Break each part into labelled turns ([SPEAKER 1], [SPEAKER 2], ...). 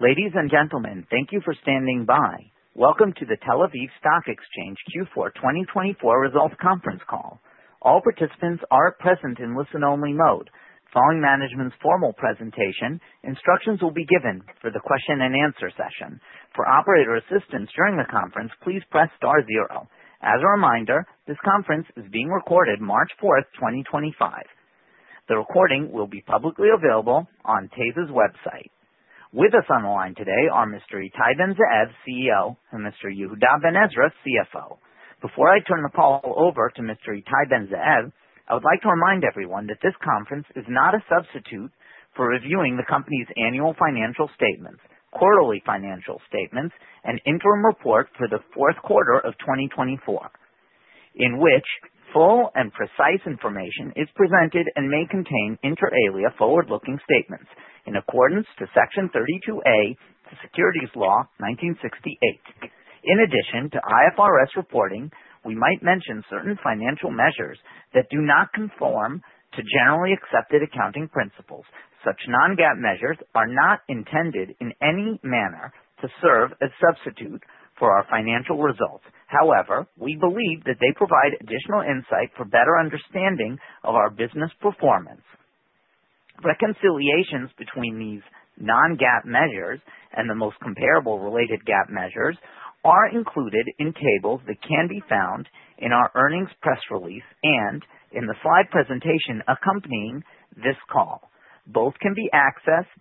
[SPEAKER 1] Ladies and gentlemen, thank you for standing by. Welcome to the Tel-Aviv Stock Exchange Q4 2024 Results Conference Call. All participants are present in listen-only mode. Following management's formal presentation, instructions will be given for the Q&A session. For operator assistance during the conference, please press *0. As a reminder, this conference is being recorded March 4th, 2025. The recording will be publicly available on TASE's website. With us on the line today are Mr. Ittai Ben-Zeev, CEO, Mr. Yehuda Ben Ezra, CFO. Before I turn the call over to Mr. Ittai Ben-Zeev, I would like to remind everyone that this conference is not a substitute for reviewing the company's annual financial statements, quarterly financial statements, and interim report for the fourth quarter of 2024, in which full and precise information is presented and may contain inter alia forward-looking statements in accordance to Section 32A of Securities Law 1968. In addition to IFRS reporting, we might mention certain financial measures that do not conform to generally accepted accounting principles. Such non-GAAP measures are not intended in any manner to serve as a substitute for our financial results. However, we believe that they provide additional insight for better understanding of our business performance. Reconciliations between these non-GAAP measures and the most comparable related GAAP measures are included in tables that can be found in our earnings press release and in the slide presentation accompanying this call. Both can be accessed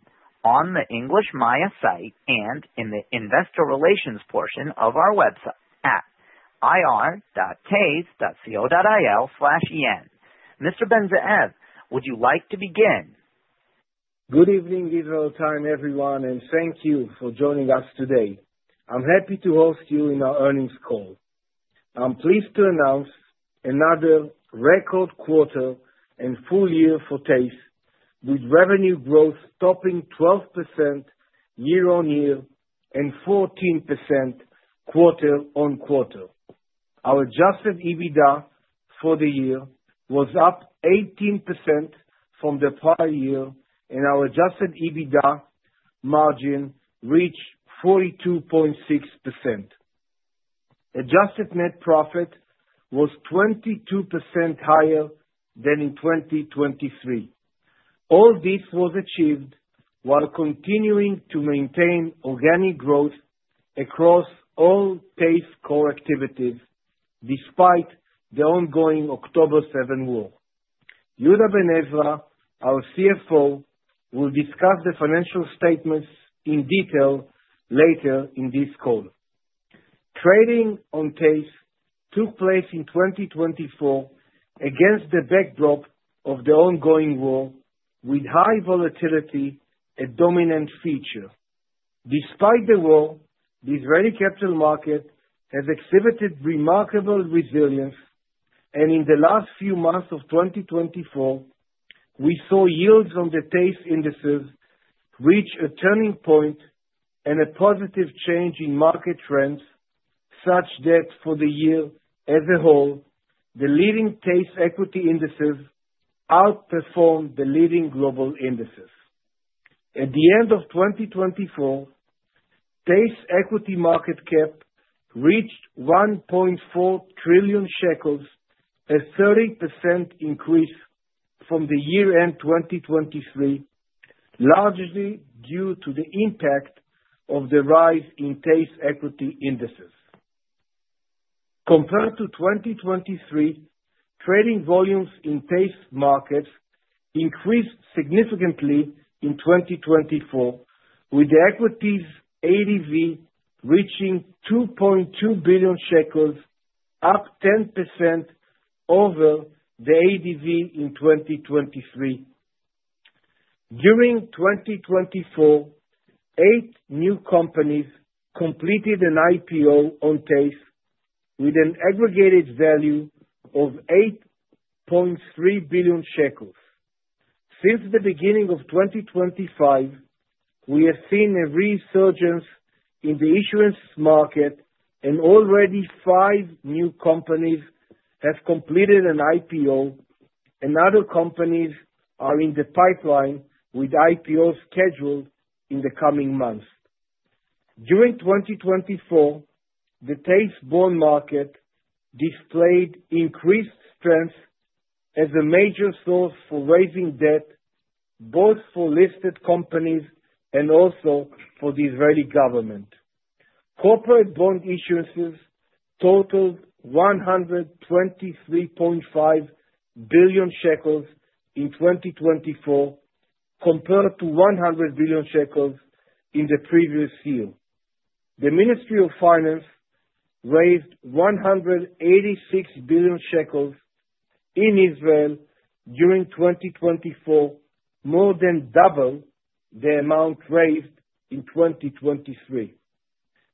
[SPEAKER 1] on the English MAYA site and in the investor relations portion of our website at ir.tase.co.il/en. Mr. Ben-Zeev, would you like to begin?
[SPEAKER 2] Good evening, Yehuda, everyone, and thank you for joining us today. I'm happy to host you in our earnings call. I'm pleased to announce another record quarter and full year for TASE, with revenue growth topping 12% year-on-year and 14% quarter-on-quarter. Our Adjusted EBITDA for the year was up 18% from the prior year, and our Adjusted EBITDA margin reached 42.6%. Adjusted net profit was 22% higher than in 2023. All this was achieved while continuing to maintain organic growth across all TASE core activities despite the ongoing October war. Yehuda Ben Ezra, our CFO, will discuss the financial statements in detail later in this call. Trading on TASE took place in 2024 against the backdrop of the ongoing war, with high volatility a dominant feature. Despite the war, the Israeli capital market has exhibited remarkable resilience, and in the last few months of 2024, we saw yields on the TASE indices reach a turning point and a positive change in market trends such that for the year as a whole, the leading TASE equity indices outperformed the leading global indices. At the end of 2024, TASE equity market cap reached 1.4 trillion shekels, a 30% increase from the year-end 2023, largely due to the impact of the rise in TASE equity indices. Compared to 2023, trading volumes in TASE markets increased significantly in 2024, with the equities ADV reaching 2.2 billion shekels, up 10% over the ADV in 2023. During 2024, eight new companies completed an IPO on TASE, with an aggregated value of 8.3 billion shekels. Since the beginning of 2025, we have seen a resurgence in the insurance market, and already five new companies have completed an IPO, and other companies are in the pipeline with IPOs scheduled in the coming months. During 2024, the TASE bond market displayed increased strength as a major source for raising debt, both for listed companies and also for the Israeli government. Corporate bond issuances totaled 123.5 billion shekels in 2024, compared to 100 billion shekels in the previous year. The Ministry of Finance raised 186 billion shekels in Israel during 2024, more than double the amount raised in 2023.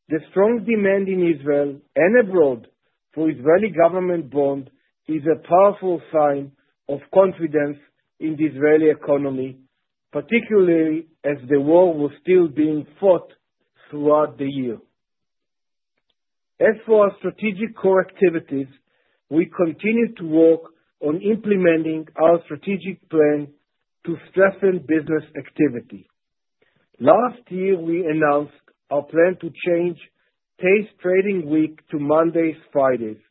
[SPEAKER 2] The strong demand in Israel and abroad for Israeli government bonds is a powerful sign of confidence in the Israeli economy, particularly as the war was still being fought throughout the year. As for our strategic core activities, we continue to work on implementing our strategic plan to strengthen business activity. Last year, we announced our plan to change TASE trading week to Mondays/Fridays,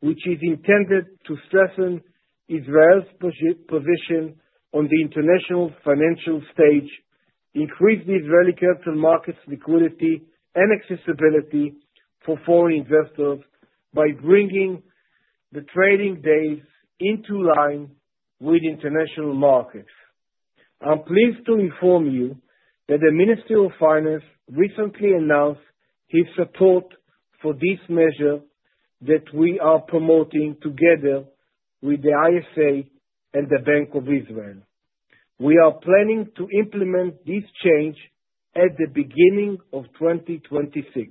[SPEAKER 2] which is intended to strengthen Israel's position on the international financial stage, increase the Israeli capital markets' liquidity and accessibility for foreign investors by bringing the trading days into line with international markets. I'm pleased to inform you that the Ministry of Finance recently announced its support for this measure that we are promoting together with the ISA and the Bank of Israel. We are planning to implement this change at the beginning of 2026.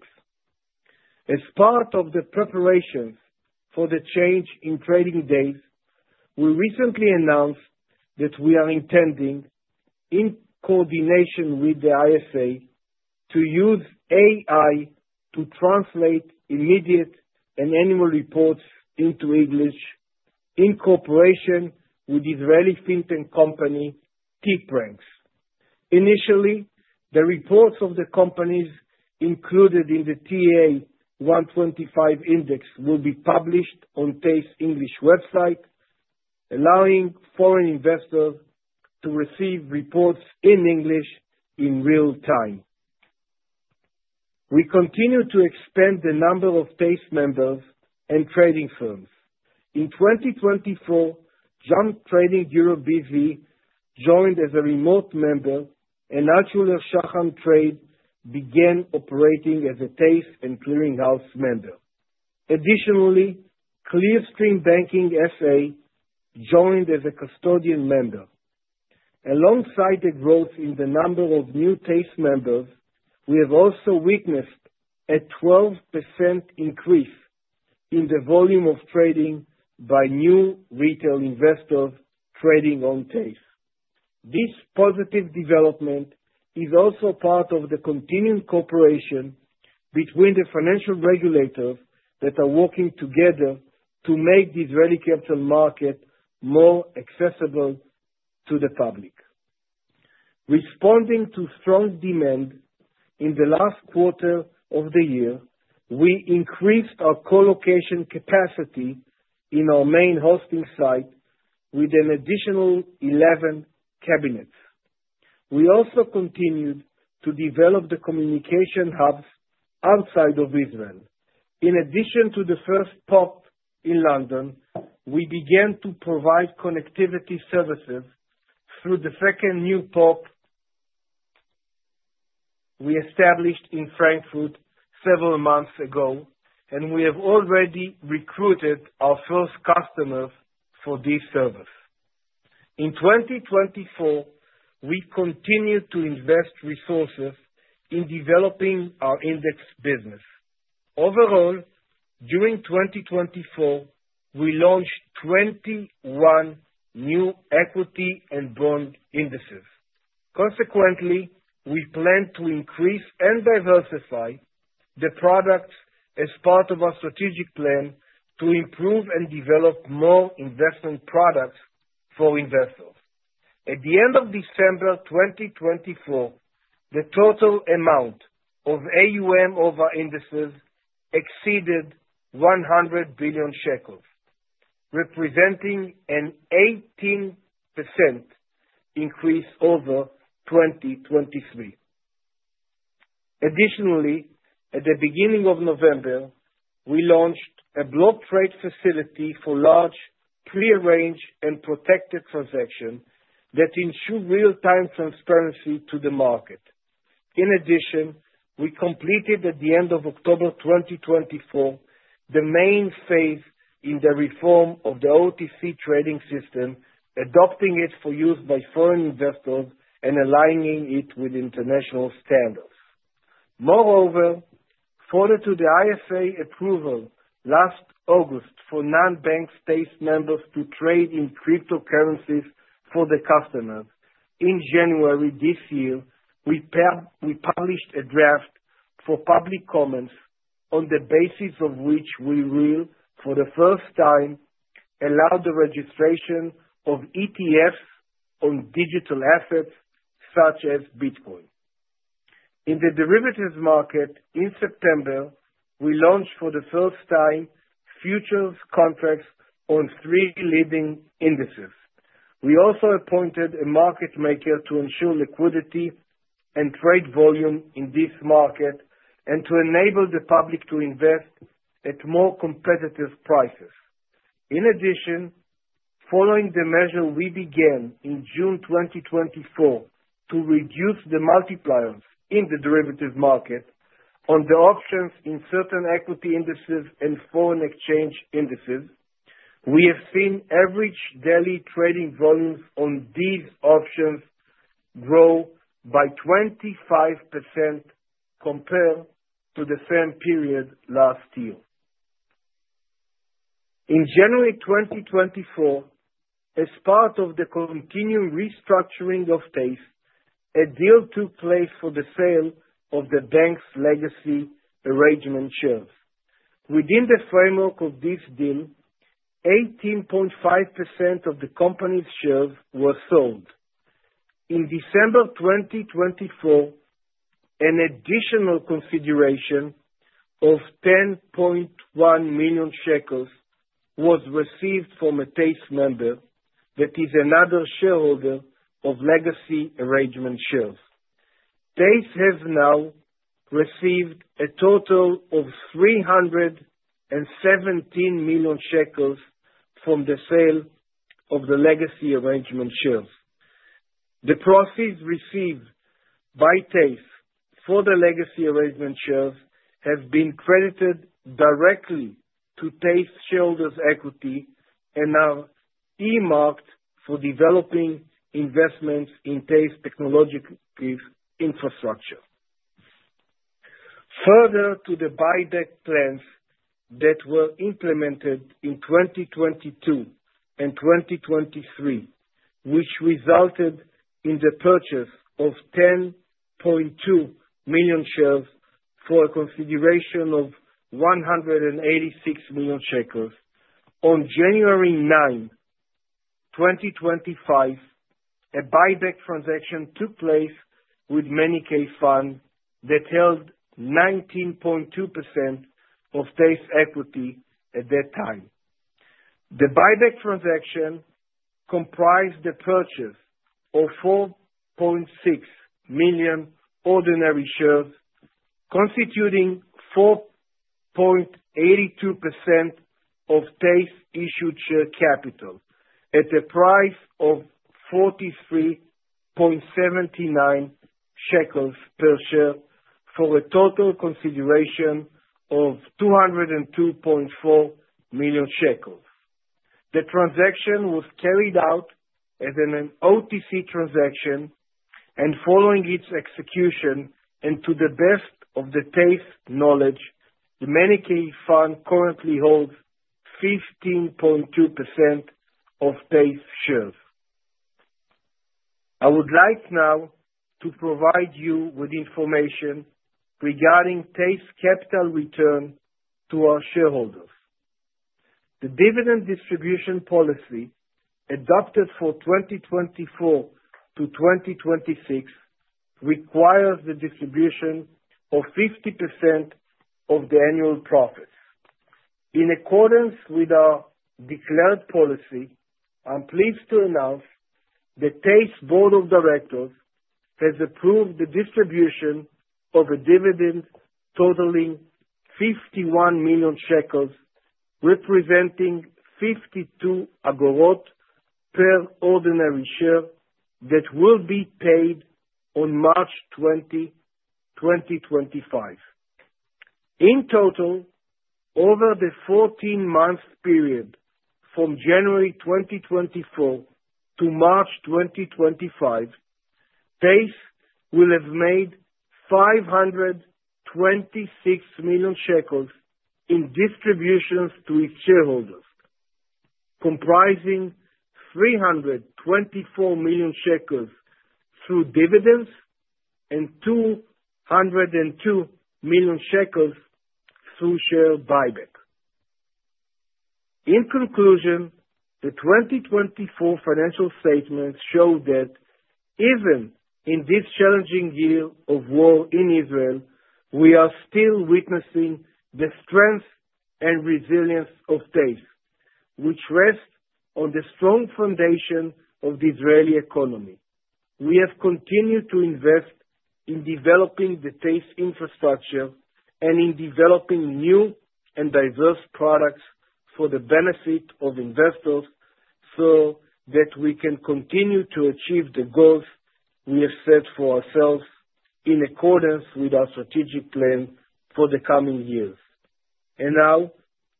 [SPEAKER 2] As part of the preparations for the change in trading days, we recently announced that we are intending, in coordination with the ISA, to use AI to translate immediate and annual reports into English in cooperation with the Israeli fintech company TipRanks. Initially, the reports of the companies included in the TA-125 index will be published on TASE English website, allowing foreign investors to receive reports in English in real time. We continue to expand the number of TASE members and trading firms. In 2024, Jump Trading Europe B.V. joined as a remote member, and Altshuler Shaham Trade began operating as a TASE and clearinghouse member. Additionally, Clearstream Banking S.A. joined as a custodian member. Alongside the growth in the number of new TASE members, we have also witnessed a 12% increase in the volume of trading by new retail investors trading on TASE. This positive development is also part of the continued cooperation between the financial regulators that are working together to make the Israeli capital market more accessible to the public. Responding to strong demand in the last quarter of the year, we increased our colocation capacity in our main hosting site with an additional 11 cabinets. We also continued to develop the communication hubs outside of Israel. In addition to the first PoP in London, we began to provide connectivity services through the second new PoP we established in Frankfurt several months ago, and we have already recruited our first customers for this service. In 2024, we continued to invest resources in developing our index business. Overall, during 2024, we launched 21 new equity and bond indices. Consequently, we plan to increase and diversify the products as part of our strategic plan to improve and develop more investment products for investors. At the end of December 2024, the total amount of AUM over indices exceeded 100 billion shekels, representing an 18% increase over 2023. Additionally, at the beginning of November, we launched a block trade facility for large clearance and protected transactions that ensure real-time transparency to the market. In addition, we completed at the end of October 2024 the main phase in the reform of the OTC trading system, adopting it for use by foreign investors and aligning it with international standards. Moreover, further to the ISA approval last August for non-bank TASE members to trade in cryptocurrencies for the customers. In January this year, we published a draft for public comments on the basis of which we will, for the first time, allow the registration of ETFs on digital assets such as Bitcoin. In the derivatives market, in September, we launched for the first time futures contracts on three leading indices. We also appointed a market maker to ensure liquidity and trade volume in this market and to enable the public to invest at more competitive prices. In addition, following the measure we began in June 2024 to reduce the multipliers in the derivatives market on the options in certain equity indices and foreign exchange indices, we have seen average daily trading volumes on these options grow by 25% compared to the same period last year. In January 2024, as part of the continued restructuring of TASE, a deal took place for the sale of the bank's legacy arrangement shares. Within the framework of this deal, 18.5% of the company's shares were sold. In December 2024, an additional consideration of 10.1 million shekels was received from a TASE member that is another shareholder of legacy arrangement shares. TASE has now received a total of 317 million shekels from the sale of the legacy arrangement shares. The proceeds received by TASE for the legacy arrangement shares have been credited directly to TASE Shareholders' Equity and are earmarked for developing investments in TASE technological infrastructure. Further to the buyback plans that were implemented in 2022 and 2023, which resulted in the purchase of 10.2 million shares for a consideration of 186 million shekels. On January 9, 2025, a buyback transaction took place with Manikay Partners fund that held 19.2% of TASE equity at that time. The buyback transaction comprised the purchase of 4.6 million ordinary shares, constituting 4.82% of TASE issued share capital at a price of 43.79 shekels per share for a total consideration of 202.4 million shekels. The transaction was carried out as an OTC transaction, and following its execution, and to the best of the TASE knowledge, the Manikay Partners currently holds 15.2% of TASE shares. I would like now to provide you with information regarding TASE capital return to our shareholders. The dividend distribution policy adopted for 2024 to 2026 requires the distribution of 50% of the annual profits. In accordance with our declared policy, I'm pleased to announce the TASE Board of Directors has approved the distribution of a dividend totaling 51 million shekels, representing 0.52 per ordinary share that will be paid on March 20, 2025. In total, over the 14-month period from January 2024 to March 2025, TASE will have made 526 million shekels in distributions to its shareholders, comprising 324 million shekels through dividends and 202 million shekels through share buyback. In conclusion, the 2024 financial statements show that even in this challenging year of war in Israel, we are still witnessing the strength and resilience of TASE, which rests on the strong foundation of the Israeli economy. We have continued to invest in developing the TASE infrastructure and in developing new and diverse products for the benefit of investors so that we can continue to achieve the goals we have set for ourselves in accordance with our strategic plan for the coming years. And now,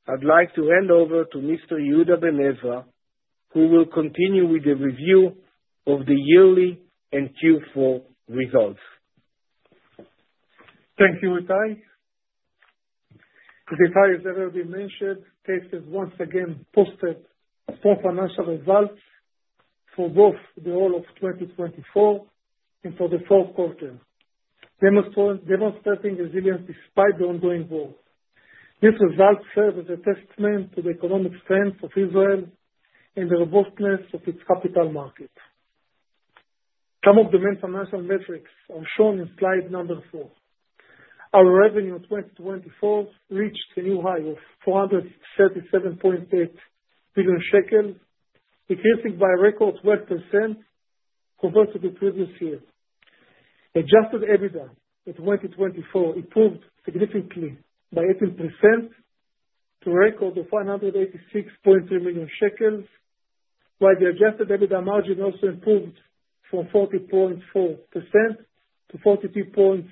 [SPEAKER 2] I'd like to hand over Mr. Yehuda Ben Ezra, who will continue with the review of the yearly and Q4 results.
[SPEAKER 3] Thank you, Ittai. As I have already mentioned, TASE has once again posted strong financial results for both the whole of 2024 and for the fourth quarter, demonstrating resilience despite the ongoing war. These results serve as a testament to the economic strength of Israel and the robustness of its capital market. Some of the main financial metrics are shown in slide number four. Our revenue of 2024 reached a new high of 437.8 billion shekels, increasing by a record 12% compared to the previous year. Adjusted EBITDA for 2024 improved significantly by 18% to a record of 186.3 million shekels, while the adjusted EBITDA margin also improved from 40.4% to 42.6%.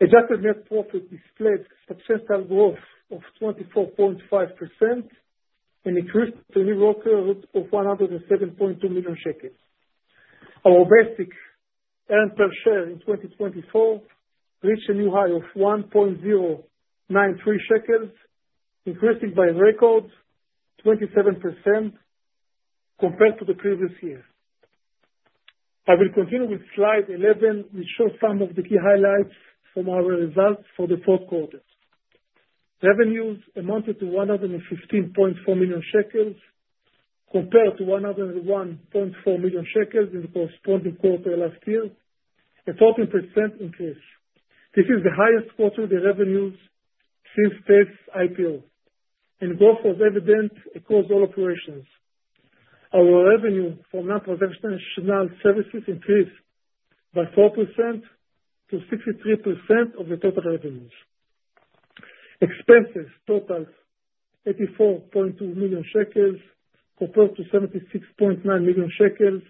[SPEAKER 3] Adjusted Net Profit displayed substantial growth of 24.5% and increased to a new record of 107.2 million shekels. Our basic earnings per share in 2024 reached a new high of 1.093 shekels, increasing by a record 27% compared to the previous year. I will continue with slide 11, which shows some of the key highlights from our results for the fourth quarter. Revenues amounted to 115.4 million shekels compared to 101.4 million shekels in the corresponding quarter last year, a 14% increase. This is the highest quarterly revenues since TASE's IPO, and growth was evident across all operations. Our revenue from non-professional services increased by 4% to 63% of the total revenues. Expenses totaled 84.2 million shekels compared to 76.9 million shekels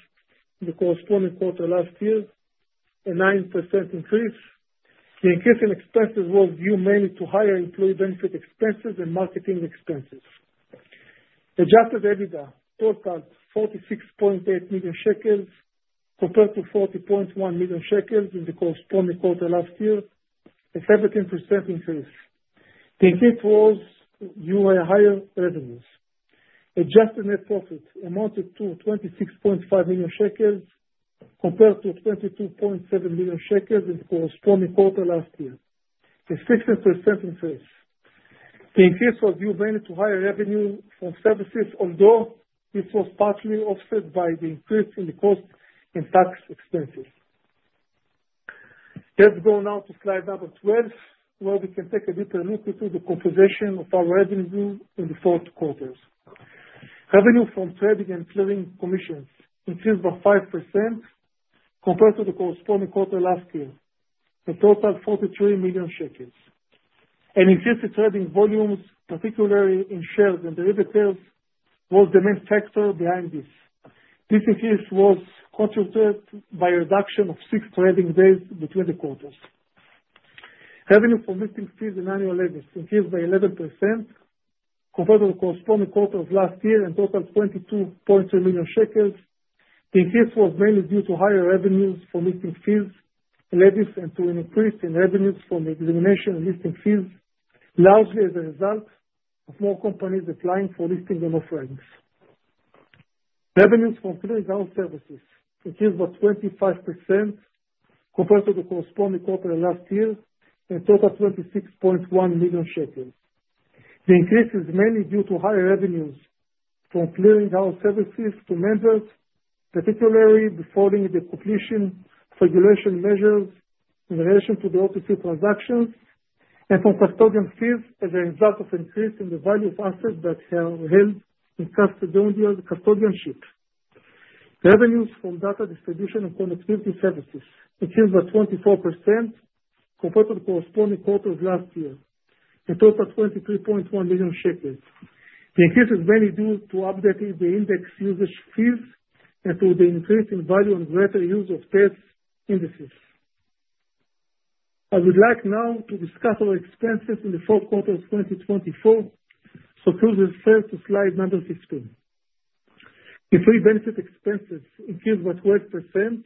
[SPEAKER 3] in the corresponding quarter last year, a 9% increase. The increase in expenses was due mainly to higher employee benefit expenses and marketing expenses. Adjusted EBITDA totaled 46.8 million shekels compared to 40.1 million shekels in the corresponding quarter last year, a 17% increase. The increase was due to higher revenues. Adjusted Net Profit amounted to 26.5 million shekels compared to 22.7 million shekels in the corresponding quarter last year, a 16% increase. The increase was due mainly to higher revenue from services, although this was partly offset by the increase in the cost and tax expenses. Let's go now to slide number 12, where we can take a deeper look into the composition of our revenue in the fourth quarter. Revenue from trading and clearing commissions increased by 5% compared to the corresponding quarter last year, a total of 43 million shekels. And increased trading volumes, particularly in shares and derivatives, was the main factor behind this. This increase was contributed by a reduction of six trading days between the quarters. Revenue from listing fees and annual levies increased by 11% compared to the corresponding quarter of last year and totaled 22.3 million shekels. The increase was mainly due to higher revenues from listing fees, levies, and to an increase in revenues from the examination and listing fees, largely as a result of more companies applying for listing and offerings. Revenues from clearing services increased by 25% compared to the corresponding quarter last year and totaled 26.1 million shekels. The increase is mainly due to higher revenues from clearing services to members, particularly following the completion of regulation measures in relation to the OTC transactions and from custodian fees as a result of an increase in the value of assets that are held in custodianship. Revenues from data distribution and connectivity services increased by 24% compared to the corresponding quarter of last year and totaled 23.1 million shekels. The increase is mainly due to updating the index usage fees and to the increase in value and greater use of TASE indices. I would like now to discuss our expenses in the fourth quarter of 2024, so please refer to slide number 15. Employee benefit expenses increased by 12%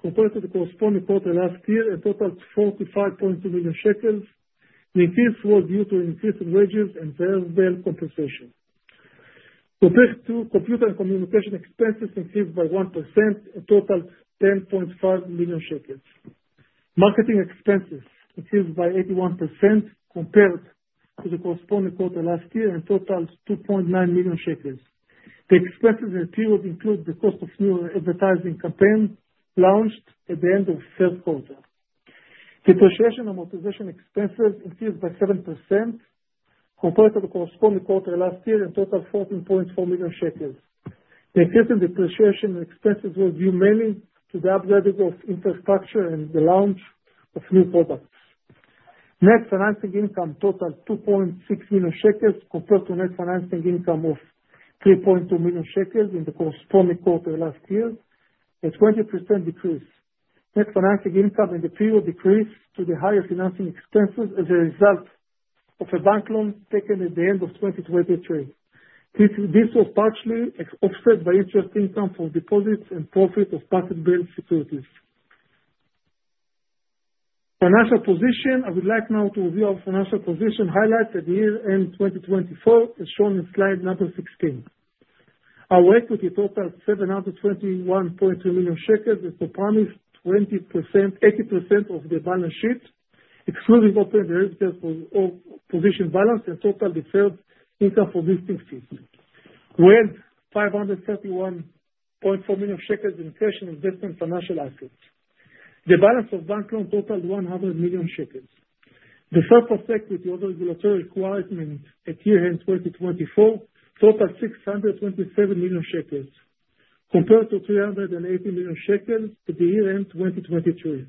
[SPEAKER 3] compared to the corresponding quarter last year and totaled 45.2 million shekels. The increase was due to an increase in wages and share-based compensation. Compared to computer and communication expenses, increased by 1% and totaled 10.5 million shekels. Marketing expenses increased by 81% compared to the corresponding quarter last year and totaled 2.9 million shekels. The expenses in the period include the cost of new advertising campaigns launched at the end of the third quarter. Depreciation and amortization expenses increased by 7% compared to the corresponding quarter last year and totaled 14.4 million shekels. The increase in depreciation and expenses was due mainly to the upgrading of infrastructure and the launch of new products. Net financing income totaled 2.6 million shekels compared to net financing income of 3.2 million shekels in the corresponding quarter last year, a 20% decrease. Net financing income in the period decreased to the higher financing expenses as a result of a bank loan taken at the end of 2023. This was partially offset by interest income from deposits and profit of part of billed securities. Financial position. I would like now to review our financial position highlighted at the year-end 2024, as shown in slide number 16. Our equity totaled 721.3 million shekels and comprised 80% of the balance sheet, excluding open derivatives position balance and totaled the sales income for listing fees. We had 531.4 million shekels in cash and investment financial assets. The balance of bank loan totaled 100 million shekels. The surplus equity over regulatory requirements at year-end 2024 totaled 627 million shekels compared to 380 million shekels at the year-end 2023.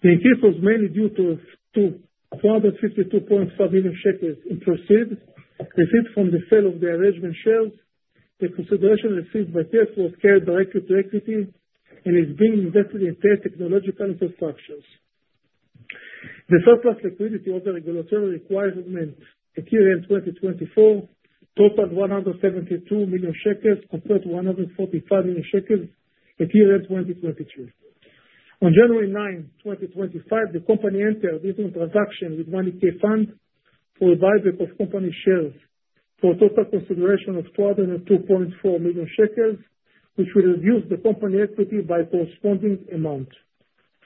[SPEAKER 3] The increase was mainly due to 452.5 million shekels in proceeds received from the sale of the arrangement shares. The consideration received by TASE was carried directly to equity and is being invested in TASE technological infrastructures. The surplus liquidity over the regulatory requirements at year-end 2024 totaled 172 million shekels compared to 145 million shekels at year-end 2023. On January 9, 2025, the company entered a business transaction with Manikay Partners for a buyback of company shares for a total consideration of 202.4 million shekels, which will reduce the company equity by a corresponding amount.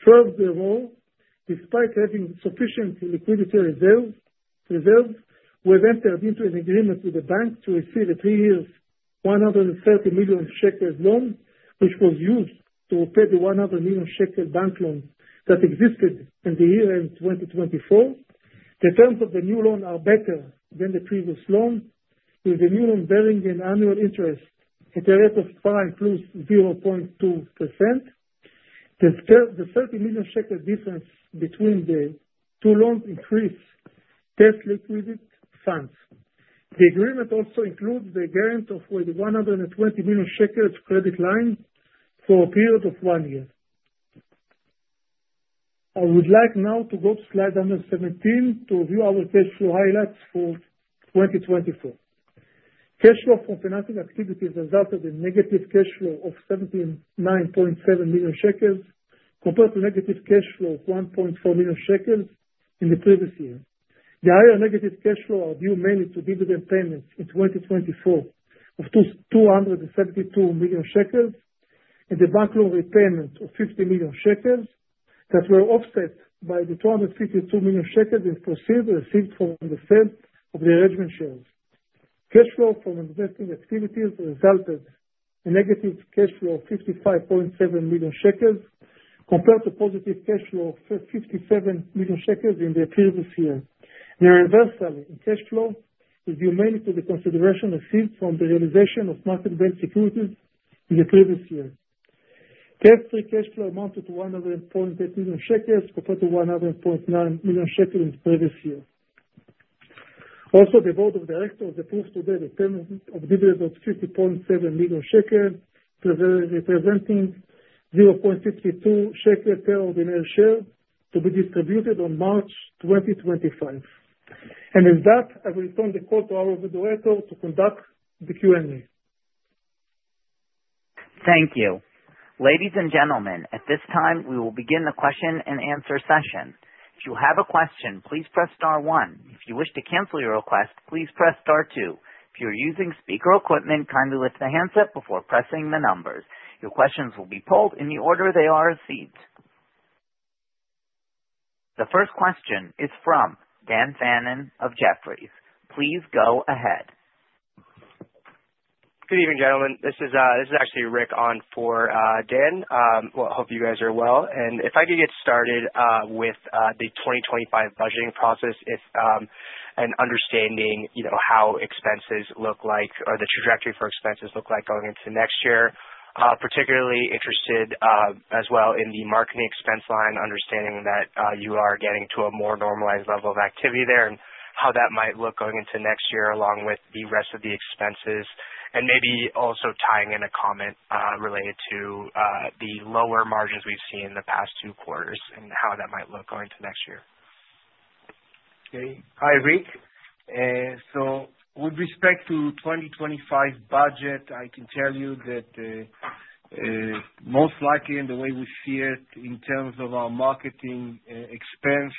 [SPEAKER 3] Furthermore, despite having sufficient liquidity reserves, we have entered into an agreement with the bank to receive a three-year 130 million shekel loan, which was used to repay the 100 million shekel bank loan that existed in the year-end 2024. The terms of the new loan are better than the previous loan, with the new loan bearing an annual interest at a rate of 5% + 0.2%. The 30 million shekel difference between the two loans increased TASE liquid funds. The agreement also includes the guarantee of a 120 million shekels credit line for a period of one year. I would like now to go to slide number 17 to review our cash flow highlights for 2024. Cash flow from financing activities resulted in negative cash flow of 79.7 million shekels compared to negative cash flow of 1.4 million shekels in the previous year. The higher negative cash flow are due mainly to dividend payments in 2024 of 272 million shekels and the bank loan repayment of 50 million shekels that were offset by the 252 million shekels in proceeds received from the sale of the arrangement shares. Cash flow from investing activities resulted in negative cash flow of 55.7 million shekels compared to positive cash flow of 57 million shekels in the previous year, and conversely, cash flow is due mainly to the consideration received from the realization of market-based securities in the previous year. TASE free cash flow amounted to 100.8 million shekels compared to 100.9 million shekels in the previous year. Also, the board of directors approved today the payment of dividends of ILS 50.7 million, representing 0.52 ILS per ordinary share to be distributed on March 2025. With that, I will return the call to our moderator to conduct the Q&A.
[SPEAKER 1] Thank you. Ladies and gentlemen, at this time, we will begin the Q&A session. If you have a question, please press *1. If you wish to cancel your request, please press *2. If you're using speaker equipment, kindly lift the handset before pressing the numbers. Your questions will be polled in the order they are received. The first question is from Dan Fannon of Jefferies. Please go ahead.
[SPEAKER 4] Good evening, gentlemen. This is actually Rick on for Dan. Well, I hope you guys are well. And if I could get started with the 2025 budgeting process, if an understanding how expenses look like or the trajectory for expenses look like going into next year. Particularly interested as well in the marketing expense line, understanding that you are getting to a more normalized level of activity there and how that might look going into next year along with the rest of the expenses. And maybe also tying in a comment related to the lower margins we've seen in the past two quarters and how that might look going into next year?
[SPEAKER 2] Okay. Hi, Rick. So with respect to 2025 budget, I can tell you that most likely in the way we see it in terms of our marketing expense,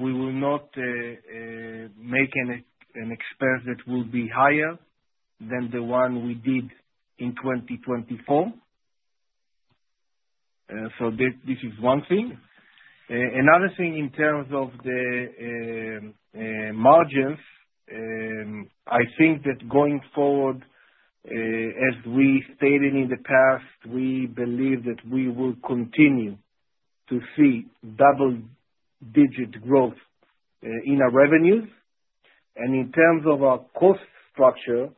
[SPEAKER 2] we will not make an expense that will be higher than the one we did in 2024. So this is one thing. Another thing in terms of the margins, I think that going forward, as we stated in the past, we believe that we will continue to see double-digit growth in our revenues. And in terms of our cost structure,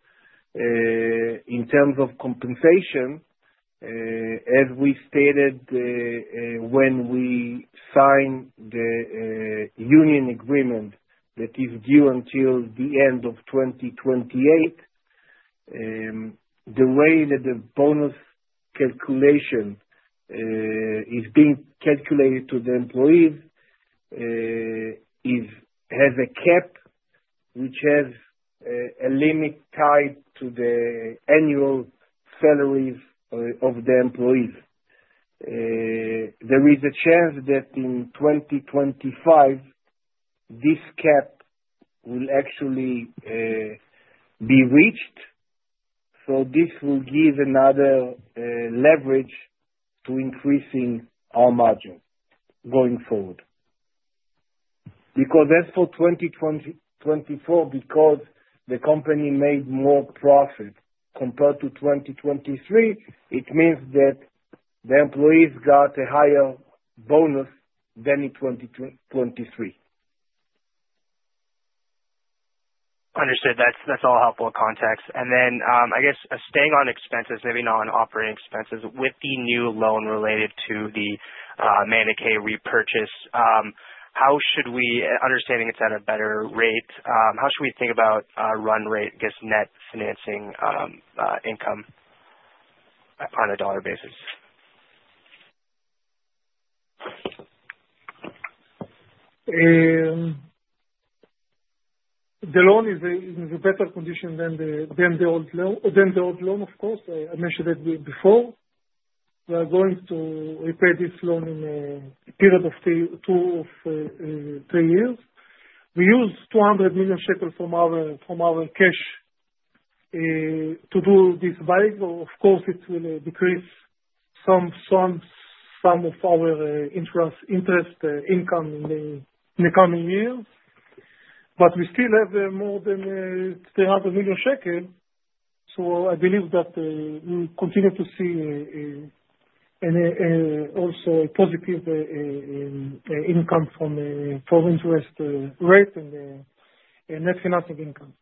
[SPEAKER 2] in terms of compensation, as we stated when we signed the union agreement that is due until the end of 2028, the way that the bonus calculation is being calculated to the employees has a cap, which has a limit tied to the annual salaries of the employees. There is a chance that in 2025, this cap will actually be reached. So this will give another leverage to increasing our margin going forward. Because as for 2024, because the company made more profit compared to 2023, it means that the employees got a higher bonus than in 2023.
[SPEAKER 4] Understood. That's all helpful context. And then I guess staying on expenses, maybe not on operating expenses, with the new loan related to the Manikay repurchase, how should we, understanding it's at a better rate, how should we think about run rate, I guess, net financing income on a dollar basis?
[SPEAKER 3] The loan is in a better condition than the old loan, of course. I mentioned it before. We are going to repay this loan in a period of two to three years. We use 200 million shekels from our cash to do this buy. Of course, it will decrease some of our interest income in the coming years. But we still have more than 300 million shekels. So I believe that we will continue to see also a positive income from interest rate and net financing income.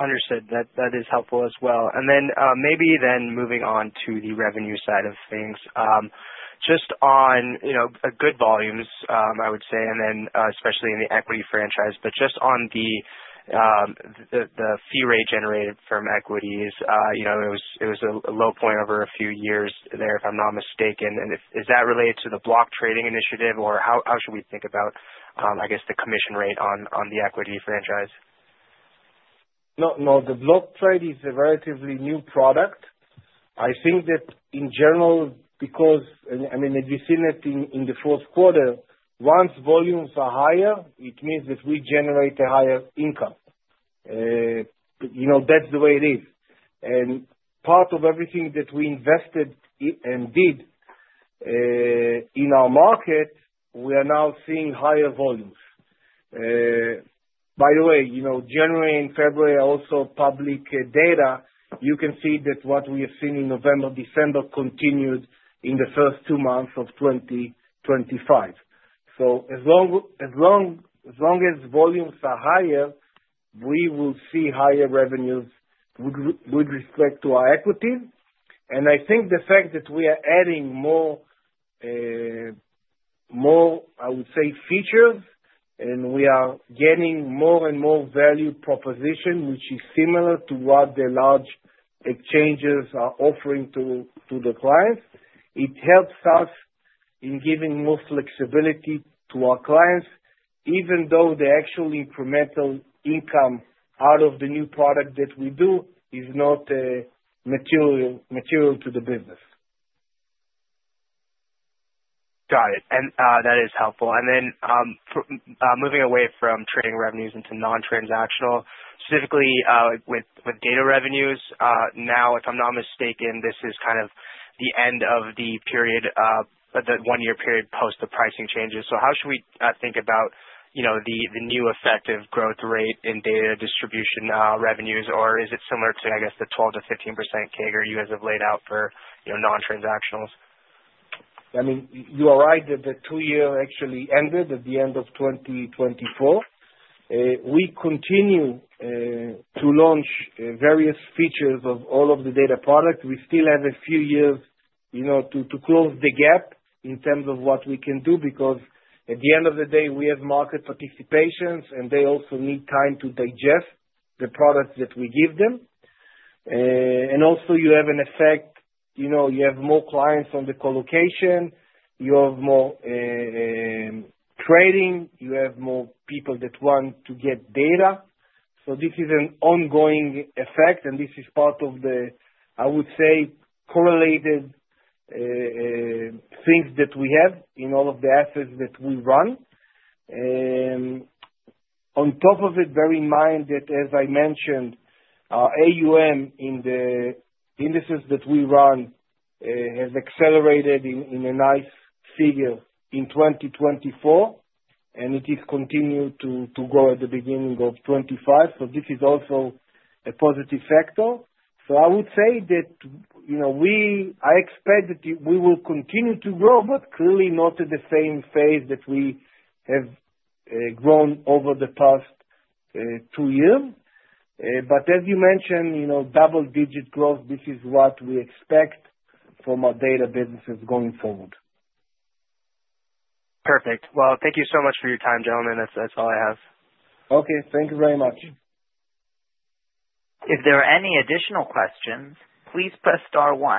[SPEAKER 4] Understood. That is helpful as well. And then maybe then moving on to the revenue side of things, just on good volumes, I would say, and then especially in the equity franchise. But just on the fee rate generated from equities, it was a low point over a few years there, if I'm not mistaken. And is that related to the block trading initiative, or how should we think about, I guess, the commission rate on the equity franchise?
[SPEAKER 2] No, no. The block trade is a relatively new product. I think that in general, because I mean, as you've seen it in the fourth quarter, once volumes are higher, it means that we generate a higher income. That's the way it is. And part of everything that we invested and did in our market, we are now seeing higher volumes. By the way, January and February, also public data, you can see that what we have seen in November, December continued in the first two months of 2025. So as long as volumes are higher, we will see higher revenues with respect to our equity. And I think the fact that we are adding more, I would say, features, and we are getting more and more value proposition, which is similar to what the large exchanges are offering to the clients, it helps us in giving more flexibility to our clients, even though the actual incremental income out of the new product that we do is not material to the business.
[SPEAKER 4] Got it. And that is helpful. And then moving away from trading revenues into non-transactional, specifically with data revenues, now, if I'm not mistaken, this is kind of the end of the period, the one-year period post the pricing changes. So how should we think about the new effective growth rate in data distribution revenues, or is it similar to, I guess, the 12%-15% CAGR you guys have laid out for non-transactionals?
[SPEAKER 2] I mean, you are right that the two-year actually ended at the end of 2024. We continue to launch various features of all of the data products. We still have a few years to close the gap in terms of what we can do because at the end of the day, we have market participants, and they also need time to digest the products that we give them. And also, you have an effect. You have more clients on the colocation. You have more trading. You have more people that want to get data. So this is an ongoing effect, and this is part of the, I would say, correlated things that we have in all of the assets that we run. On top of it, bear in mind that, as I mentioned, our AUM in the indices that we run has accelerated in a nice figure in 2024, and it is continuing to grow at the beginning of 2025. So this is also a positive factor. So I would say that I expect that we will continue to grow, but clearly not at the same pace that we have grown over the past two years. But as you mentioned, double-digit growth, this is what we expect from our data businesses going forward.
[SPEAKER 4] Perfect. Well, thank you so much for your time, gentlemen. That's all I have. Okay.
[SPEAKER 2] Thank you very much.
[SPEAKER 1] If there are any additional questions, please press *1.